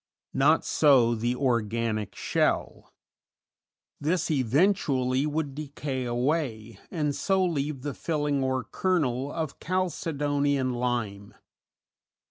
Not so the organic shell; this eventually would decay away, and so leave the filling or kernel of chalcedony and lime.